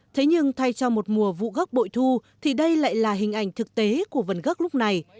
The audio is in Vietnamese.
thế nhưng thay cho một mùa vụ gốc bội thu thì đây lại là hình ảnh thực tế của vườn gốc lúc này